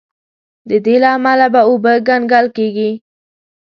د دې له امله به اوبه کنګل کیږي.